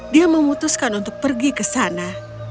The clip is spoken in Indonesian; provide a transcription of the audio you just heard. dia memutuskan untuk pergi ke sana